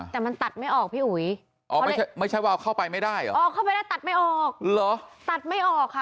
แต่มันตัดไม่ออกพี่อุ๋ยไม่ใช่ว่าเข้าไปไม่ได้ตัดไม่ออก